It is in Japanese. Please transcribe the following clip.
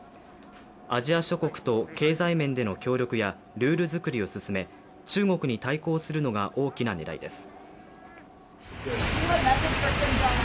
アジア諸国と経済面での協力やルール作りを進め中国に対抗するのが大きな狙いです。